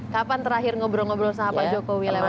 kapan terakhir ngobrol ngobrol sama pak jokowi lewat